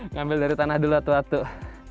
ngambil dari tanah dulu atu atuh